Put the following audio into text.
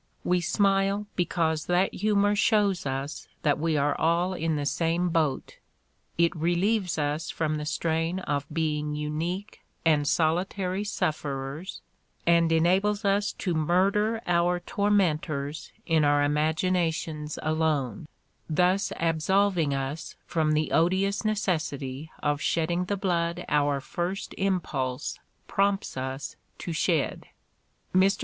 We "smile because" that humor shows us that we are all in the same boat ; it relieves us from the strain of being unique and solitary sufferers and enables us to murder our tormentors in our imaginations alone, Mark Twain's Humor 211 thus absolving us from the odious necessity of shedding the blood our first impulse prompts us to shed. Mr.